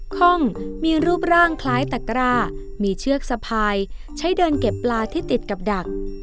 ข้องมีรูปร่างคล้ายตะกร้ามีเชือกสะพายใช้เดินเก็บปลาที่ติดกับดัก